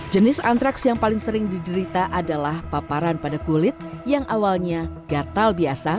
jenis antraks yang paling sering diderita adalah paparan pada kulit yang awalnya gatal biasa